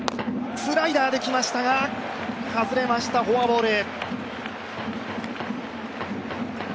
スライダーできましたが外れました、フォアボール。